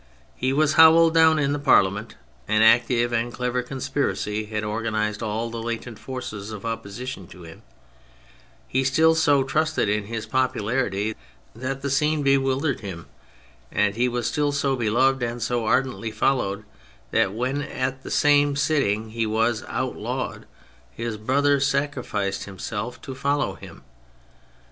He was howled down in the Parliament, an active and clever conspiracy had organised all the latent forces of opposition to him; he still so trusted in his popularity that the scene bewildered him, and he was still so beloved and so ardently followed, that when at that same sitting he was outlawed, his brother sacrificed himself to follow him.